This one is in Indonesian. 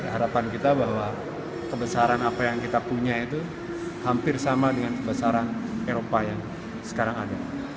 harapan kita bahwa kebesaran apa yang kita punya itu hampir sama dengan kebesaran eropa yang sekarang ada